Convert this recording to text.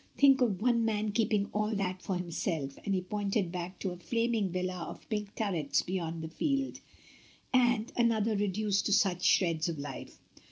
Think of one man keeping all that for himself," and he pointed back to a flaming villa with pink turrets beyond the field, "and an other reduced to such shreds of life."